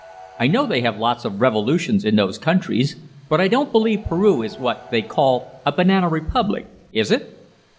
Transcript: I know they have lots of revolutions in those countries, but I don't believe Peru is what they call a 'banana republic'; is it?"